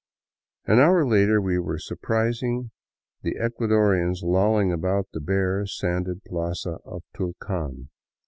An hour later we were surprising the Ecuadorians lolling about the bare, sanded plaza of Tulcan.